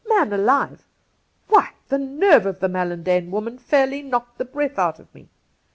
Man alive ! Why, the nerve of the Mallandane woman fairly knocked the breath out of me.